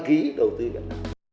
ít đầu tiên